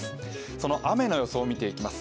その雨の予想を見ていきます。